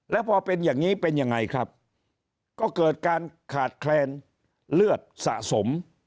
แล้วพอเป็นอย่างนี้เป็นยังไงครับก็เกิดการขาดแคลนเลือดสะสม